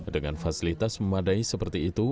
dengan fasilitas memadai seperti itu